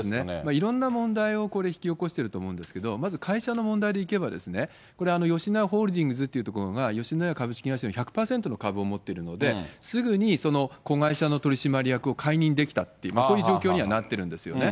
いろんな問題をこれ、引き起こしてると思うんですけど、まず会社の問題でいくと、吉野家ホールディングスというところが吉野家株式会社の１００％の株式を持っているので、すぐに子会社の取締役を解任できたと、こういう状況にはなっているんですよね。